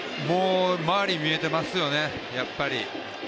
周り見えていますよね、やっぱり。